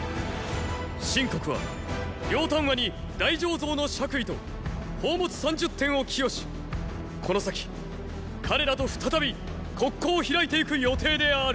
秦国は楊端和に“大上造”の爵位と宝物三十点を寄与しこの先彼らと再び国交を開いていく予定である！